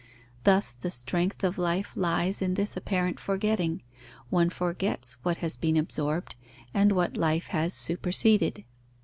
Thus, the strength of life lies in this apparent forgetting: one forgets what has been absorbed and what life has superseded.